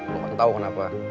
gak tau kenapa